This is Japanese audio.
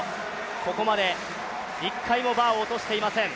ここまで１回もバーを落としていません。